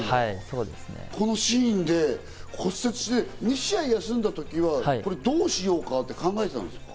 このシーンで骨折して、２試合休んだときは、どうしようかって考えてたんですか？